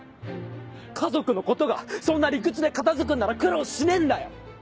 家族のことがそんな理屈で片付くんなら苦労しねえんだよ！